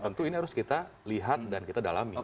tentu ini harus kita lihat dan kita dalami